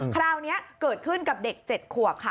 คราวนี้เกิดขึ้นกับเด็ก๗ขวบค่ะ